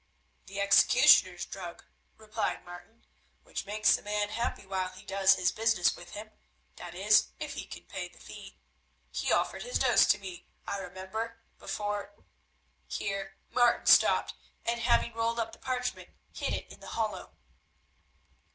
"The executioner's drug," replied Martin, "which makes a man happy while he does his business with him, that is, if he can pay the fee. He offered his dose to me, I remember, before—" Here Martin stopped, and, having rolled up the parchment, hid it in the hollow.